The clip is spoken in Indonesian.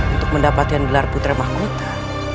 untuk mendapatkan gelar putri mahkota